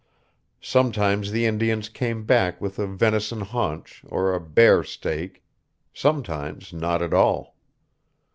Sometimes the Indians came back with a venison haunch, or a bear steak ... sometimes not at all.